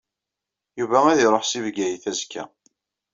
Yuba ad iṛuḥ seg Bgayet azekka.